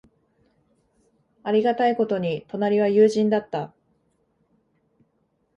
ありがたいことに、隣は友人だった。